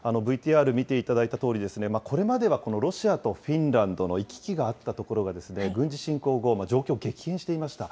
ＶＴＲ見ていただいたとおり、これまではロシアとフィンランドの行き来があった所が、軍事侵攻後、状況、激変していました。